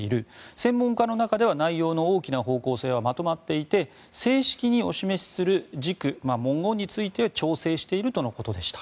専門家の中では内容の大きな方向性はまとまっていて正式にお示しする時期、文言について調整しているとのことでした。